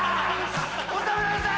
お侍さん！